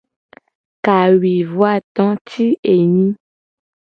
Kawuivoato ti enyi.